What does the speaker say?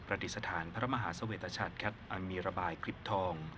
ประดิษฐานพระมหาสวัสดิ์ชาติแคทอันมีระบายคลิปทอง